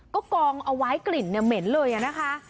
ก็กองเอาไว้กลิ่นเหม็นเลยนะคะ